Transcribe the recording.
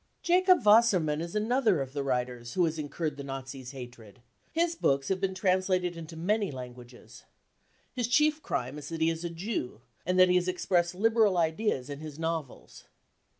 Jacob Wassermann is another of the writers who has incurred the Nazis 5 hatred ; his books have been translated into many languages. His chief crime is that he is a Jew and that he has expressed liberal ideas in his novels.